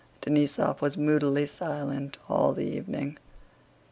Denísov was moodily silent all the evening.